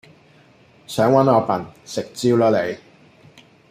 想搵我笨？食蕉啦你！